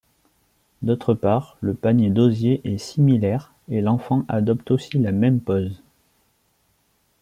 D'autre part, le panier d'osier est similaire et l'enfant adopte aussi la même pose.